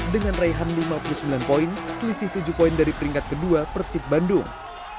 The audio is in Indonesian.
dengan raihan lima puluh sembilan poin selisih tujuh poin dari peringkat kedua persib bandung